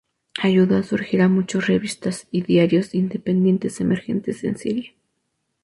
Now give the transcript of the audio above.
Ayudó a surgir a muchos revistas y diarios independientes emergentes en Siria.